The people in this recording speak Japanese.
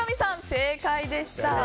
正解でした。